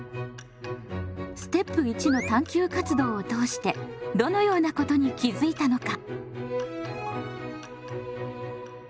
ステップ１の探究活動を通してどのようなことに気付いたのか？